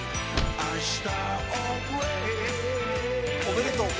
おめでとう。